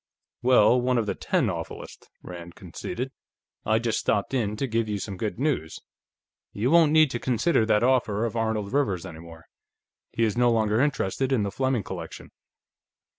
"Well, one of the ten awfullest," Rand conceded. "I just stopped in to give you some good news. You won't need to consider that offer of Arnold Rivers's, any more. He is no longer interested in the Fleming collection."